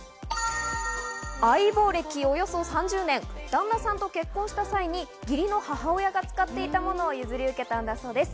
相棒歴およそ３０年、旦那さんと結婚した際に、義理の母親が使っていたものを譲り受けたんだそうです。